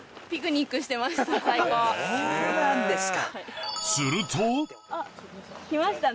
そうなんですか。